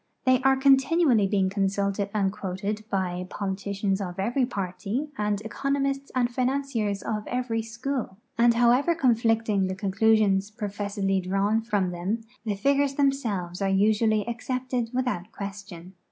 They an? continually being consulted and quoted by politicians of every party and economists and financiers of every school, and however conflicting the conclusions j^rofessedly drawn from them, the figures themselves are usually accepted without ijiiestion.